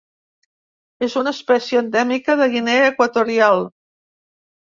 És una espècie endèmica de Guinea Equatorial.